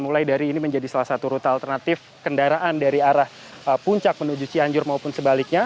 mulai dari ini menjadi salah satu rute alternatif kendaraan dari arah puncak menuju cianjur maupun sebaliknya